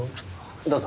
どうぞ。